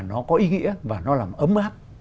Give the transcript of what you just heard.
nó có ý nghĩa và nó làm ấm áp